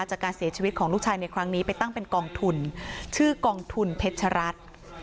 จากการเสียชีวิตของลูกชายในครั้งนี้ไปตั้งเป็นกองทุนชื่อกองทุนเพชรัตน์